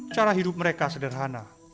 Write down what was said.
cara hidup mereka sederhana